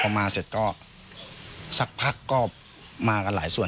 พอมาเสร็จก็สักพักก็มากันหลายส่วน